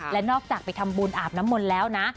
และนอกจากไปทำบุญอาบน้ำมนต์แล้วนะ